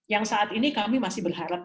yang saat ini kami masih berharap